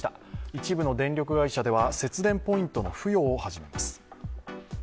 一部の電力会社では節電ポイントの付与を始めます。